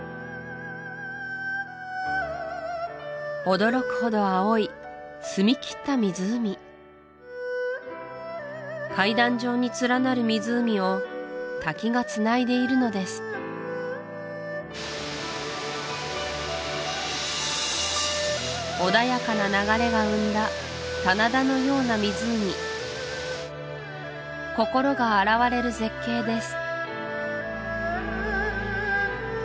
驚くほど青い澄みきった湖階段状に連なる湖を滝がつないでいるのです穏やかな流れが生んだ棚田のような湖心が洗われる絶景です